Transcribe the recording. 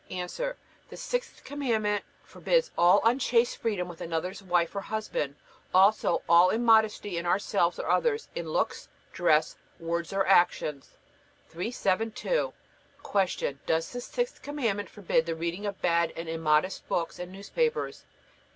A. The sixth commandment forbids all unchaste freedom with another's wife or husband; also all immodesty with ourselves or others in looks, dress, words, or actions. 372. Q. Does the sixth Commandment forbid the reading of bad and immodest books and newspapers?